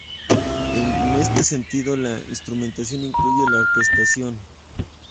En este sentido, la instrumentación incluye la orquestación.